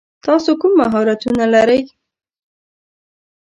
تاسو کوم مهارتونه لری ؟